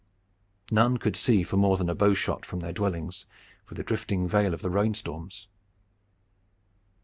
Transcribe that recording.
None could see for more than a bow shot from their dwellings for the drifting veil of the rain storms.